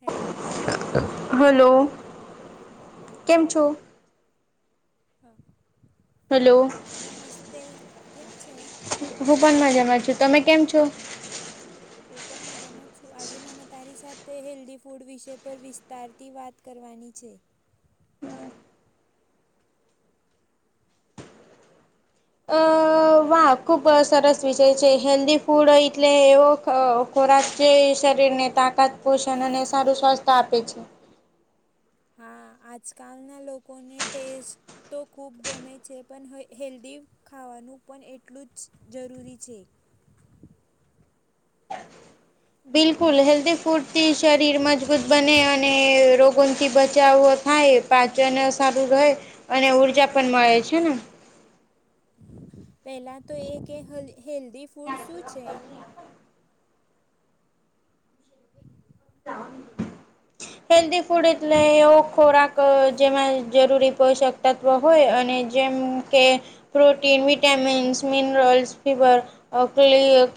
Hello hello કેમ છો હ હલો નમસ્તે કેમ છે હું પણ મજામાં છું તમે કેમ છો હું પણ મજામાં જ છું આજે મને તારી સાથે હેલ્ધી ફૂડ વિષય પર વિસ્તાર થી વાત કરવાની છે. અ વાહ ખૂબ સરસ વિષય છે હેલ્દી ફૂડ એટલે એવો ખોરાક જે શરીર ને તાકાત પોષણ અને સારું સ્વાસ્થ્ય આપે છે. હા આજકાલના લોકોને ટેસ્ટ તો ખૂબ ગમે છે પણ હ હેલ્ધી ખાવાનું પણ એટલું જ જરૂરી છે. બિલકુલ હેલ્ધી ફૂડથી શરીર મજબૂત બને અને અને રોગોથી બચાવો થાય પાચન સારું રહે. અને ઉર્જા પણ મળે છે ને. પહેલાં તો એ કે હેલ્ધી ફૂડ શું છે? [inaudible] હેલ્ધી ફૂડ એટલે એવો ખોરાક જેમાં જરૂરી પોષક તત્વ હોય અને જેમ કે, protein vitamins minerals fibre.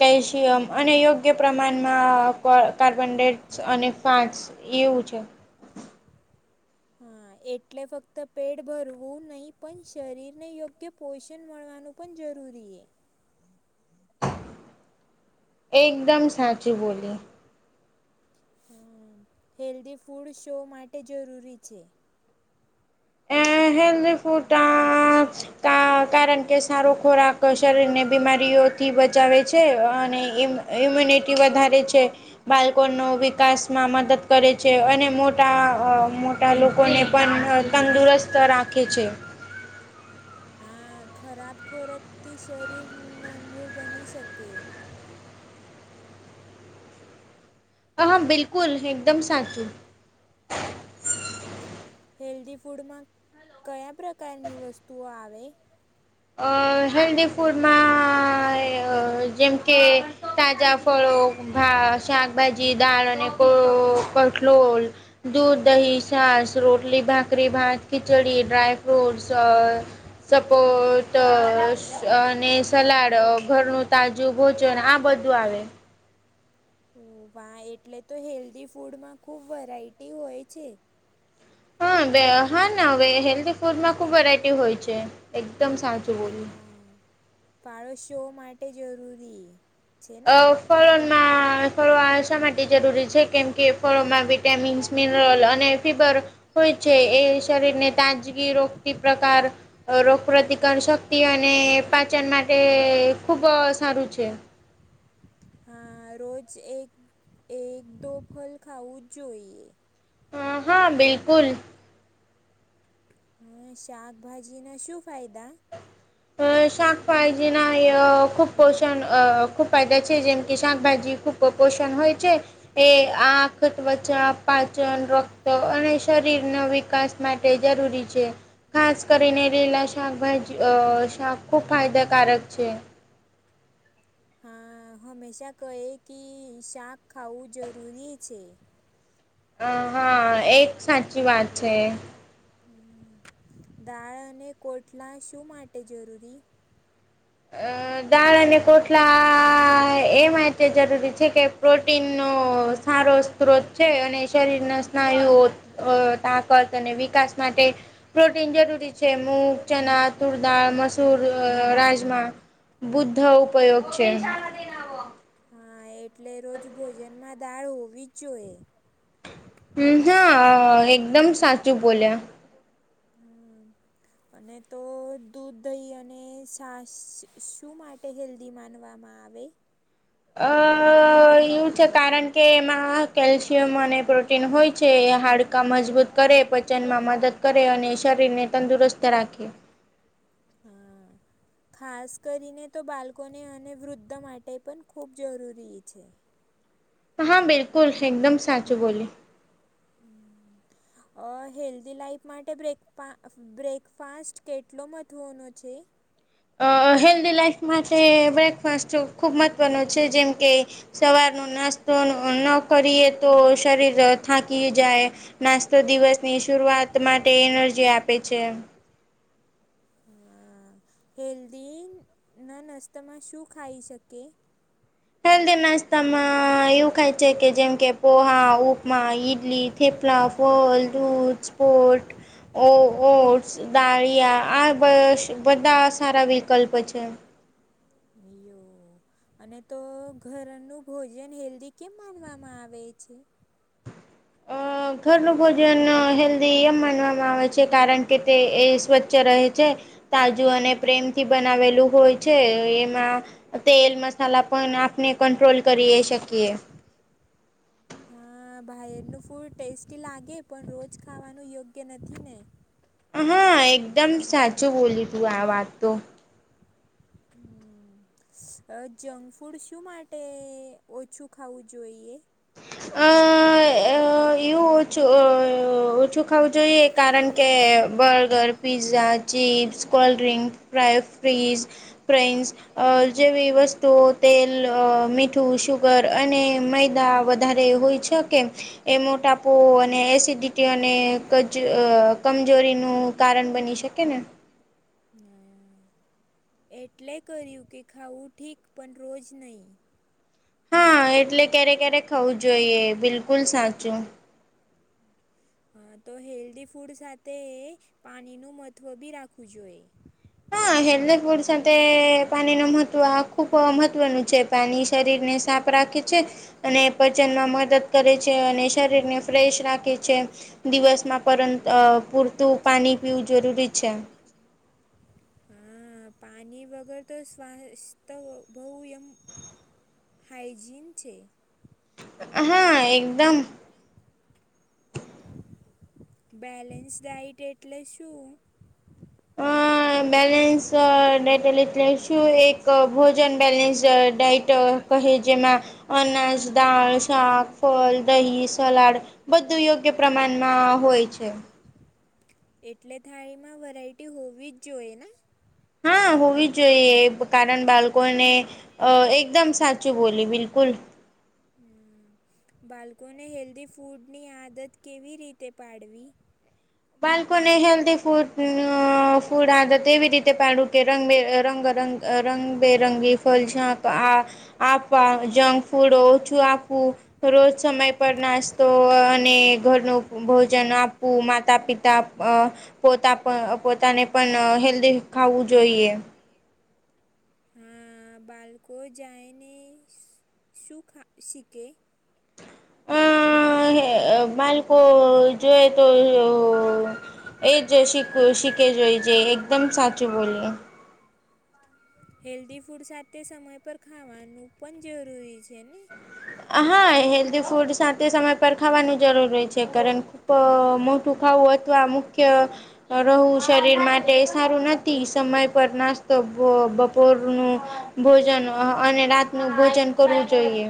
Calcium અને યોગ્ય પ્રમાણમાં કાર્બનડટ અને ફાસ એવું છે. હા એટલે ફક્ત પેટ ભરવું નહી પણ શરીર ને યોગ્ય પોષણ મળવાનું પણ જરૂરી એ. એકદમ સાચી બોલી. હમ, હેલ્ધી ફૂડ શો માટે જરૂરી છે? એ હેલીફટાસ કારણ કે સારો ખોરાક શરીર ને બીમારીઓથી બચાવે છે અને એમ ઇમ્યુનિટી વધારે છે. બાળકો ન વિકાસમાં મદદ કરે છે અને મોટા મોટા લોકોને પણ તંદુરુસ્ત રાખે છે. આ ખરાબ ખોરાક થી શરીર નિબૂળ બની શકે. હ હા બિલકુલ એકદમ સાચું. હમ. હેલ્ધી ફૂડમાં કયા પ્રકારની વસ્તુઓ આવે? અ હેલ્ધી ફૂડમાં જેમ કે, તાજા ફળો ભા શાકભાજી દાળ અને કટલોલ. દૂધ દહી સાસ રોટલી ભાકરી ભાત ખિચડી ડ્રાય ફ્રૂટ સોસ. સપોઝ. તો અને સલાડ ઘરનું તાજું ભોજન આ બધું આવે. ઓ વાહ એટલે તો હેલ્ધી ફૂડમાં ખુબ વેરાયટી હોય છે. આવે હા હવે હેલ્ધ ફૂડમાં ખુબ વેરાયટી હોય છે, એકદમ સાચું બોલ્યું. ફાળોશો માટે જરૂરી. છે અ ને ફળોમાં ફળોશા માટે જરૂરી છે કેમ કે ફળોમાં વિટામિન્સ મિનરલ અને ફીબર, હોય છે એ શરીરને તાજગી રોગતી પ્રકાર રોગપ્રતિકાર શક્તિ અને પાચન માટે ખુબ સારું છે. હા રોજ એક એક દો ફલ ખાવું જ જોઈએ. હા હા બિલકુલ. હા શાકભાજી ના શું ફાયદા? અ શાકભાળજી ના ખૂબ પોષણ અ ખૂબ ફાયદા છે જેમ કે શાકભાજી ખૂબ પોષણ હોય છે, એ આંખ ત્વચા પાચન રક્ત અને શરીરનો વિકાસ માટે જરૂરી છે. ખાસ કરીને લીલા શાકભાજી શાક ખૂબ ફાયદાકારક છે. હા હંમેશા કહે કે શાક ખાવું જરૂરી છે. અ હા એક સાચી વાત છે. હ, દાળ અને કોટલા શું માટે જરૂરી? અ દાળ અને કોટલા એ માટે જરૂરી છે કે પ્રોટીનનો સારો સ્ત્રોત છે અને શરીરના સ્નાયુઓ અ તાકાત અને વિકાસ માટે પ્રોટીન જરૂરી છે. મૂગ, ચના, તુરદાળ, મસૂર, રાઈસ માં બુદ્ધ ઉપયોગ છે. હા એટલે રોજ ભોજનમાં દાળ હોવી જ જોઈએ. હમમ જ એકદમ સાચું બોલ્યા. અને તો દૂધ, દહી, સાસ શું માટે હેલ્ હેલ્થી માનવામાં આવે. અ તો એવું છે કારણ કે એમાં કેલ્શિયમ અને પ્રોટીન હોય છે હાડ હાડકા મજબૂત કરે, પચનમાં મદદ કરે અને શરીરને તંદુરસ્ત રાખે. હા. ખાસ કરીને તો બાળકોને અને વૃદ્ધ માટે પણ ખૂબ જરૂરી છે. હા બિલકુલ એકદમ સાચું બોલી. હમમ અ હેલ્ધી લાઈફ માટે બ્રેકપા બ્રેકફાસ્ટ કેટલો મહત્વનો છે? અ હેલ્ધી લાઈફ માટે બ્રેકફાસ્ટ ખૂબ મહત્ત્વનો છે જેમ કે સવાર નો નાસ્તો ન કરીએ તો શરીર થાકી જાય. નાસ્તો દિવસની શરૂઆત માટે એનર્જી આપે છે. હા હેલ્ધી ન નાસ્તા માં શું ખાઈ શકયે? હેલ્ધી નાસ્તામાં એવું ખાય છે કે જેમ કે પોહા, ઉપમા, ઈડલી થેપલાં, ફલ, દૂધ, સ્પોટ ઓ ઓટ્સ દાળીયા આ બ બધા સારા વિકલ્પ છે. લિયો અને તો ઘરનું ભોજન હેલ્ધી કેમ માનવામાં આવે છે? અ ઘરનું ભોજન હેલ્ધી એમ માનવામાં આવે છે કારણ કે તે એ સ્વચ્છ રહે છે તાજું અને પ્રેમથી બનાવેલું હોય છે એમાં તેલ, મસાલા પણ આપને કંટ્રોલ કરીએ શકીએ. હા ભાઈ એમનું ફૂડ ટેસ્ટી લાગે પણ રોજ ખાવાનું યોગ્ય નથી ને. હા એકદમ સાચું બોલી તું આ વાત તો. હમમ. જંકફૂડ શું માટે ઓછું ખાવું જોઈએ? અ અ એવું ઓછું ઓછું ખાવું જોઈએ કારણ કે બર્ગર, પીઝા ચીપ્સ, કોલ્ડડ્રિંક, ફ્રાયઅ ફ્રીઝ, પ્રિન્સ અ જેવી વસ્તુઓ તેલ, અ મીઠું, સુુગર અને મેૈદા વધારે એવુ ઇચછો કે એ મોટાપો અને એસિડિટી અને એક જ કમજોરીનું કારણ બની શકે ને. હા એટલે કર્યું કે ખાવું ઠીક પણ રોજ ની. હા એટલે ક્યારે ક્યારે ખાવું જોઈએ બિલકુલ સાચું. હા તો હેલ્ધી ફૂડ સાથે પાણીનું મહત્ત્વ બી રાખવું જોઈએ. હા હેલ્થી ફૂડ સાથે પાણી નું મહત્વ ખુબ જ મહત્વનું છે. પાણી શરીરને સાફ રાખે છે અને પાચનમાં મદદ કરે છે અને શરીર ને ફ્રેશ રાખે છે દિવસમાં પરંતુ અહ દરરોજ પૂરતું છે. પાણી પીવું જરૂરી છે. હા પાણી વગર તો સ્વાસતો બઉ એમ હાઇજીન છે. હા એકદમ બેલેન્સ ડાઇટ એટલે શું? હા બેલેન્સ અહ ડાઇટ એટલે શું એક ભોજન બેલેન્સ અહ ડાઇટ અહ કહે જેમાં અનાજ, દાળ, શાક, ફલ, દહી, સલાડ બધું યોગ્ય પ્રમાણમાં હોય છે. એટલે થાળીમાં વેરાયટી હોવી જ જોઈએ ના? હા હોવી જ જોઈએ. કારણ બાલકોને અહ એકદમ સાચી બોલી બિલકુલ. અહ બાલકોને હેલ્ધી ફૂડની આદત કેવી રીતે પાડવી? બાલકોને હેલ્ધી ફૂડ અહ ફૂડ આદત એવી રીતે પાડવું કે રંગ બે અહ રંગ રંગ અહ રંગબેરંગી ફલ જ્યાં આ આપા જંગ ફૂડ ઓછું આપવું રોજ સમય પર નાસ્તો અને ઘરનું ભોજન આપવું માં તા પિતા અહ પોતા પોતાને પણ હેલ્ધી ખાવું જોઈએ. હમ્મ, બાલકો જાયને શું ખા શીખે? અહ બાલકો જોઈએ તો તો એ જ શીખું શીખે જોઈ જે એકદમ સાચું બોલીયા. હેલ્ધી ફૂડ સાથે સમય પર ખાવાનું પણ જરૂરી છે ને? હા હેલ્ધી ફૂડ સાથે સમય પર ખાવાનું જરૂરી છે. કારણ કહ્ ખુબ મોટું ખાવું હોય તો આ મુખ્ય રહેવું શરીર માટે સારું નથી. સમય પર નાસ્તો બ-બપોરનું ભોજન અને રાતનુ ભોજન કરવું જોઈએ.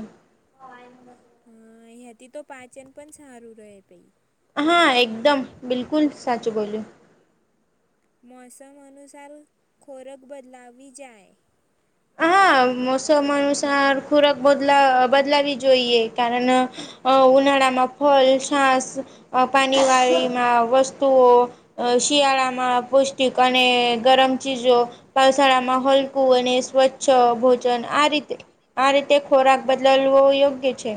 હમ્મ એનાથી તો પાચન પણ સારું રહે પહિ. હા, એકદમ બિલકુલ સાચું બોલ્યું. મોસમ અનુસાર ખોરાક બદલાવી જાય. હા મોસમ અનુસાર ખોરાક બદલા અહ બદલાવી જોઈએ કારણ અહ અહ ઉનાળામાં ફલ, છાસ અહ પાણી વાળીમાં વસ્તુઓ અહ શિયાળામાં પૌષ્ટિક અને ગરમ ચીજો વલસાડા માં હલકું અને સ્વચ્છ ચા ભોજન આ રીતે આ રીતે ખોરાક બદલવો યોગ્ય છે.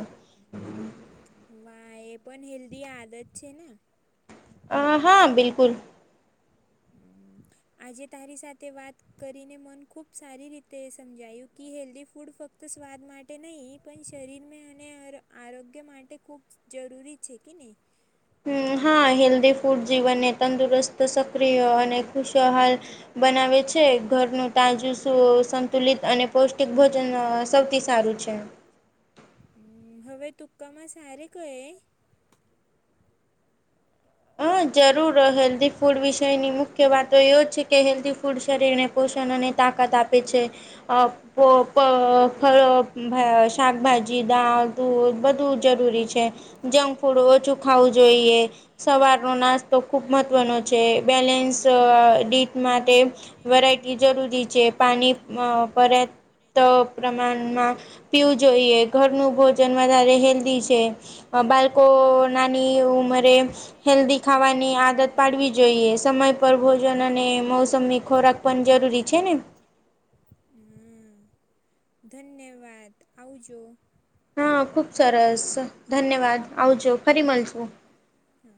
વા એ પણ હેલ્ધી આદત છે ને? અહ હા બિલકુલ. હમ્મ, આજે તારી સાથે વાત કરીને મન ખૂબ સારી રીતે સમજાયું કે હેલ્ધી ફૂડ ફક્ત સ્વાદ માટ ટે નહીં. પણ શરીરમાં મેં અને અ-આરોગ્ય માટે ખૂબ જરૂરી છે કે નહીં? હમ્મ, હા હેલ્ધી ફૂડ જીવનને તંદુરસ્ત સક્રિય અને ખુશહાલ બનાવે છે ઘરનું તાજું તો ટૂંકામાં સારી સંતુલિત કહે. અને પૌષ્ટિક ભોજન અહ સૌથી સારું છે. હમ્મ હવે ટુક્કામાં સારે કહે. અહ જરૂર અહ હેલ્ધી ફૂડ વિષયની મુખ્ય વાતો એવી જ છે કે હેલ્ધી ફૂડ શરીરને પોષણ અને તાકાત આપે છે. અહ પો પ ફળ અહ ભય શાકભાજી, દાળ, દૂધ બધું જરૂરી છે. જંગ ફૂડો ઓછું ખાવું જોઈએ. સવારનો નાસ્તો ખૂબ મહત્ત્વનો છે બેલેન્સ ડીટ માટે. વેરાયટી જરૂરી છે પાણી અ પરત પ્રમાનમાં પીવું જોઈએ, ઘરનું ભોજન વધારે હેલ્દી છે. બાલકો નાની ઉમરે. હેલ્દી ખાવાની આદત પાળવી જોઈએ સમય પર ભોજન અને મોસમની ખોરાક પન જરૂરી છે ને. ધન્યવાત આવજો. હં ખુબ સરસ ધન્યવાદ આવજો ફરી મલશુ. હ.